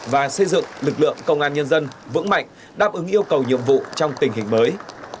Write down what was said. và xây dựng lực lượng công an nhân dân vững mạnh đáp ứng yêu cầu nhiệm vụ trong tình hình mới